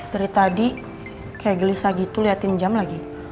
dari tadi kaya gelisah gitu liatin jam lagi